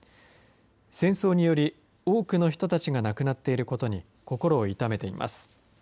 戦争により多くの人たちが亡くなっていることに心を痛めています。